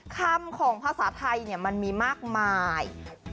คำของภาษาไทยมันมีมากมาย